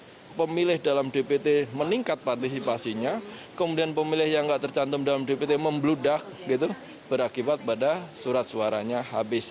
kalau pemilih dalam dpt meningkat partisipasinya kemudian pemilih yang nggak tercantum dalam dpt membludak gitu berakibat pada surat suaranya habis